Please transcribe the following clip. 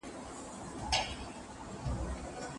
لارښود د شاګردانو راتلونکی روښانه ویني.